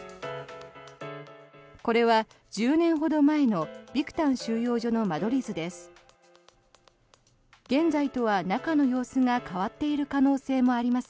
これは１０年ほど前のビクタン収容所の間取り図です。